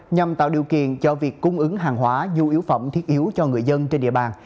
nhằm tạo điều kiện cho việc cung ứng hàng hóa du yếu phẩm thiết yếu cho người dân trên địa bàn